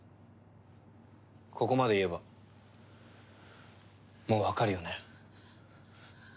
ここまで言えばもうわかるよね？